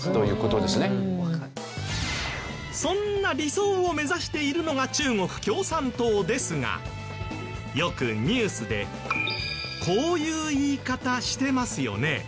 そんな理想を目指しているのが中国共産党ですがよくニュースでこういう言い方してますよね。